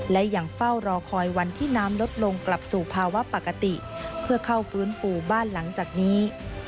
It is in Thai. และยังเฝ้ารอคอยวันที่น้ำลดลงกลับสู่ภาวะปกติเพื่อเข้าฟื้นฟูบ้านหลังจากนี้